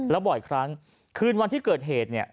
แล้วบ่อยครั้งคืนวันที่เกิดเหตุเนี่ย